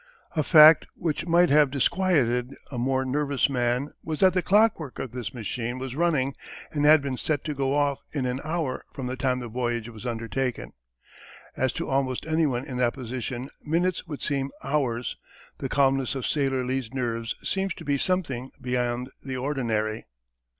A fact which might have disquieted a more nervous man was that the clockwork of this machine was running and had been set to go off in an hour from the time the voyage was undertaken. As to almost anyone in that position minutes would seem hours, the calmness of sailor Lee's nerves seems to be something beyond the ordinary.